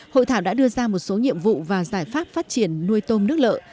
hội thảo đã đưa ra một số nhiệm vụ và giải pháp phát triển nuôi tôm nước lợ